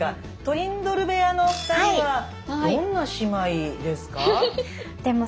トリンドル部屋のお二人はどんな姉妹ですか？